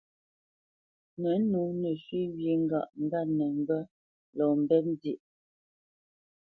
Nə̌nǒ nə shwé wyê ŋgâʼ ŋgât nə mbə́ lɔ mbɛ́p nzyêʼ.